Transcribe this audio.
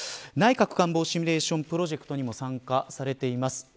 内閣官房シミュレーションプロジェクトにも参加されています